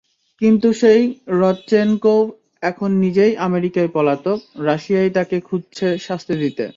কিন্তু সেই রদচেনকোভ এখন নিজেই আমেরিকায় পলাতক, রাশিয়াই তাঁকে খুঁজছে শাস্তি দিতে।